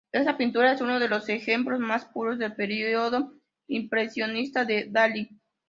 Esta pintura es uno de los ejemplos más puros del periodo impresionista de Dalí.